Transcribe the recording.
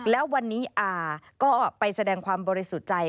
แล้ววันนี้อาก็ไปแสดงความบริสุทธิ์ใจ